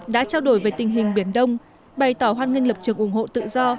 đã trao đổi về tình hình biển đông bày tỏ hoan nghênh lập trường ủng hộ tự do